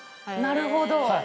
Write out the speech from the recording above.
なるほど。